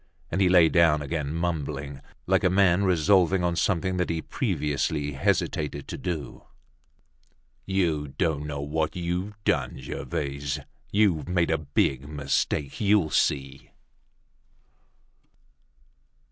And he lay down again, mumbling, like a man resolving on something that he previously hesitated to do: "You don't know what you've done, Gervaise. You've made a big mistake; you'll see."